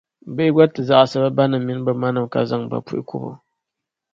bihi gba ti zaɣisi bɛ banim’ mini bɛ manima, ka zaŋ ba puhi kubu.